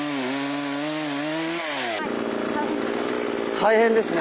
大変ですね。